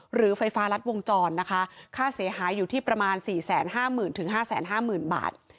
หรือไฟฟ้ารัดวงจรนะคะค่าเสียหายอยู่ที่ประมาณสี่แสนห้าหมื่นถึงห้าแสนห้าหมื่นบาท